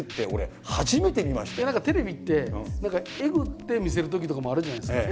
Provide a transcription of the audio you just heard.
何かテレビってえぐって見せるときとかもあるじゃないですか。